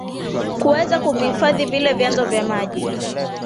kuweza kuvihifadhi vile vyanzo vya maji